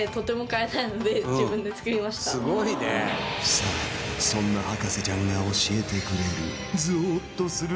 さあそんな博士ちゃんが教えてくれるゾッとする！